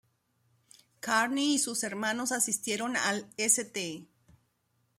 Carney y sus hermanos asistieron al St.